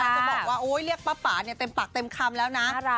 แล้วก็บอกว่าเรียกป๊าเต็มปักเต็มคำแล้วนะ